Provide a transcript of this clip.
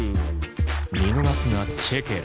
「見逃すなチェケラ」